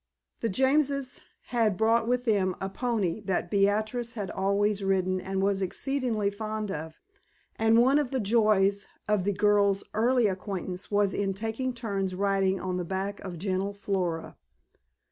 The Jameses had brought with them a pony that Beatrice had always ridden and was exceedingly fond of, and one of the joys of the girls' early acquaintance was in taking turns riding on the back of gentle Flora.